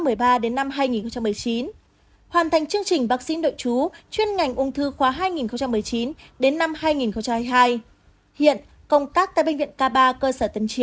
hoàn thành chương trình bác sĩ đội chú chuyên ngành ung thư khoa hai nghìn một mươi chín hai nghìn hai mươi hai hiện công tác tại bệnh viện k ba cơ sở tân triều